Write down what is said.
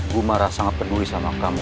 gumara sangat penuhi sama kamu